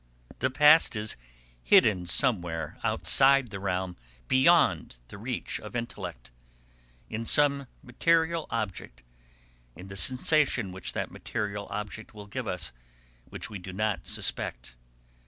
The past is hidden somewhere outside the realm, beyond the reach of intellect, in some material object (in the sensation which that material object will give us) which we do not suspect.